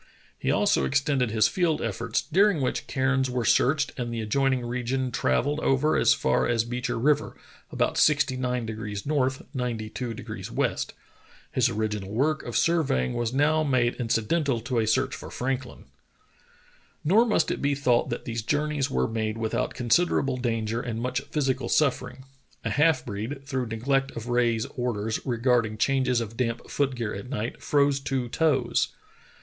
He also extended his field efforts, during which cairns were searched and the adjoining region travelled over as far as Beecher River, about 69 N. 92 W. His original work of surveying was now made incidental to a search for Franklin! Nor must it be thought that these journeys were made without considerable danger and much physical suffering. A half breed, through neglect of Rae's orders regarding changes of damp foot gear at night, froze two toes.